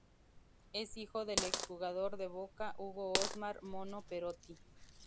Es hijo del ex jugador de Boca, Hugo Osmar "Mono" Perotti.